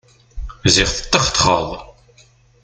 Ziɣ tetxetxeḍ!